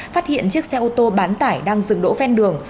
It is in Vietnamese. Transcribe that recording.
phát hiện chiếc xe ô tô bán tải đang dừng đỗ ven đường